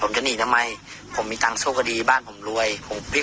รวมช่วยเท่าที่รวมไว้